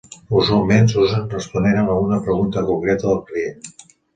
Usualment s'usen responent a una pregunta concreta del client.